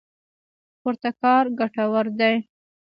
ورته کار ګټور دی.